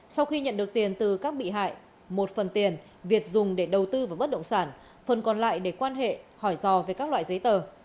sau khi nhận được tiền từ các bị hại một phần tiền việt dùng để đầu tư vào bất động sản phần còn lại để quan hệ hỏi rò về các loại giấy tờ